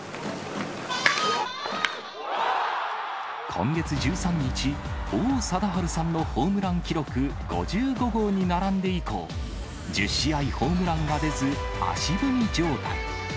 今月１３日、王貞治さんのホームラン記録５５号に並んで以降、１０試合ホームランが出ず、足踏み状態。